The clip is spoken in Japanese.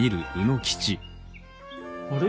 あれ？